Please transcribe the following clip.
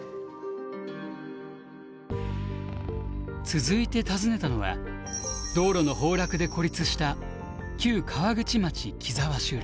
続いて訪ねたのは道路の崩落で孤立した旧川口町木沢集落。